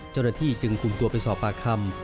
เจ้าหน้าที่จึงคุมตัวไปสอบปากคำ